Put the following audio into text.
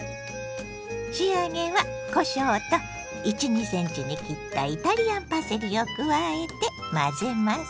仕上げはこしょうと１２ｃｍに切ったイタリアンパセリを加えて混ぜます。